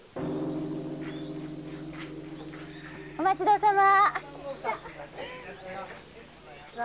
お待ちどおさま。